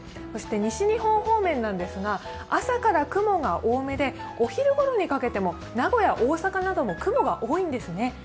そして西日本方面なんですが、朝から雲が多めでお昼ごろにかけても名古屋、大阪なども雲が多いんですね。